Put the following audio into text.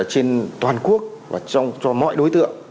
trên toàn quốc và cho mọi đối tượng